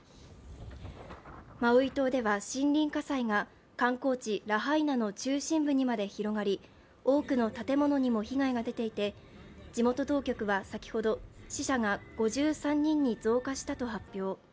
マウイ島では森林火災が観光地ラハイナの中心部にまで広がり多くの建物にも被害が出ていて、地元当局は先ほど死者が５３人に増加したと発表。